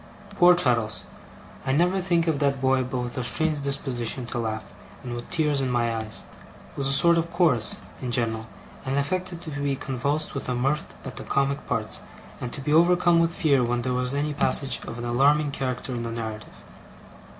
Poor Traddles I never think of that boy but with a strange disposition to laugh, and with tears in my eyes was a sort of chorus, in general; and affected to be convulsed with mirth at the comic parts, and to be overcome with fear when there was any passage of an alarming character in the narrative.